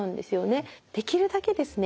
できるだけですね